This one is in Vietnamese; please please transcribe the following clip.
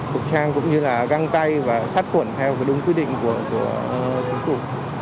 cục trang cũng như là găng tay và sát cuộn theo đúng quy định của chính phủ